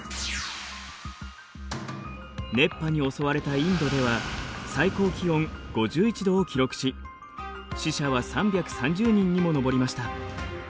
熱波に襲われたインドでは最高気温５１度を記録し死者は３３０人にも上りました。